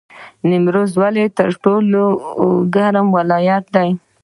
نیمروز ولې تر ټولو ګرم ولایت دی؟